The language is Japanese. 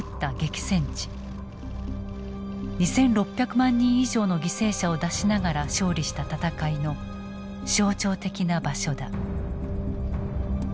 ２，６００万人以上の犠牲者を出しながら勝利した戦いの象徴的な場所だ。